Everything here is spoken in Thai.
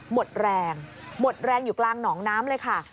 หมดแรงหมดแรงอยู่กลางหนองน้ำเลยค่ะ